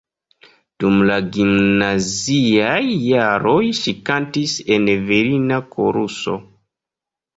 Dum la gimnaziaj jaroj ŝi kantis en virina koruso.